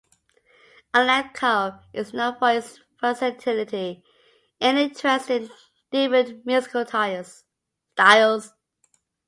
Alanko is known for his versatility and interest in different musical styles.